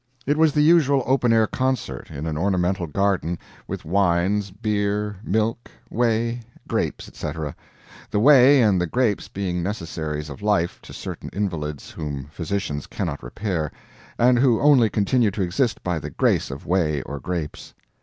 It was the usual open air concert, in an ornamental garden, with wines, beer, milk, whey, grapes, etc. the whey and the grapes being necessaries of life to certain invalids whom physicians cannot repair, and who only continue to exist by the grace of whey or grapes.